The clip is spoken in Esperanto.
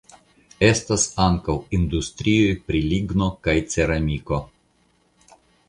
Estas ankaŭ industrioj pri ligno kaj ceramiko.